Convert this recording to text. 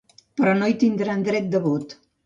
Però no hi tindran dret de vot.